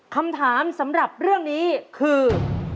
คำถามสำหรับเรื่องนี้คือ